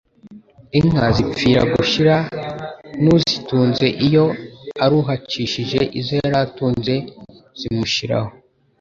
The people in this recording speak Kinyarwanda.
inka zipfira gushira n’uzitunze iyo aruhacishije izo yaratunze zimushiraho